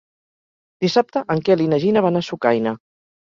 Dissabte en Quel i na Gina van a Sucaina.